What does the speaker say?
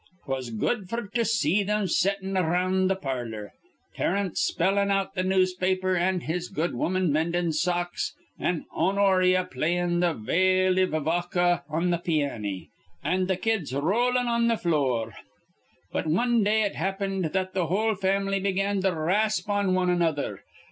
'Twas good f'r to see thim settin' ar roun' th' parlor, Terence spellin' out th' newspaper, an' his good woman mendin' socks, an' Honoria playin' th' 'Vale iv Avoca' on th' pianny, an' th' kids r rowlin' on th' flure. "But wan day it happened that that whole fam'ly begun to rasp on wan another.